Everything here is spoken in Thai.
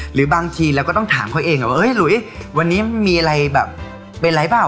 หรือบางทีเราก็ต้องถามเขาเองว่าหลุยวันนี้มีอะไรแบบเป็นไรเปล่า